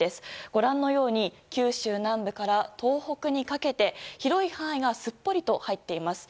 ご覧のように九州南部から東北にかけて広い範囲がすっぽりと入っています。